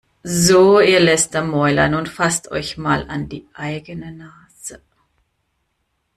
So, ihr Lästermäuler, nun fasst euch mal an die eigene Nase!